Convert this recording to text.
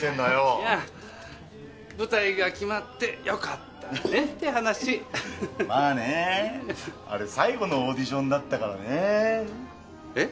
いや舞台が決まってよかったねって話まぁねあれ最後のオーディションだったからねえっ？